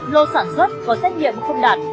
lô sản xuất có xét nghiệm không đạt